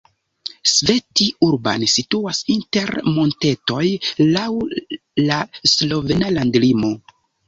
Sveti Urban situas inter montetoj laŭ la slovena landlimo.